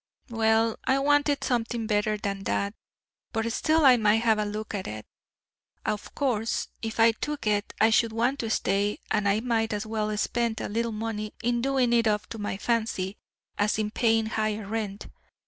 "Well, I wanted something better than that; but still I might have a look at it. Of course if I took it I should want to stay, and I might as well spend a little money in doing it up to my fancy as in paying higher rent.